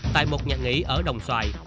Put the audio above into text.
tại một nhà nghỉ ở đồng xoài